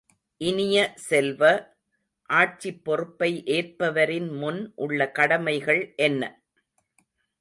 இனிய செல்வ, ஆட்சிப் பொறுப்பை ஏற்பவரின் முன் உள்ள கடமைகள் என்ன?